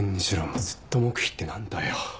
ずっと黙秘ってなんだよ！